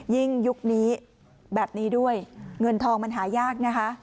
ยิ่งยุคนี้แบบนี้ด้วยเงินทองมันหายากนะคะ